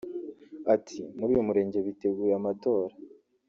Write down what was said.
Ati “Muri uyu murenge biteguye amatora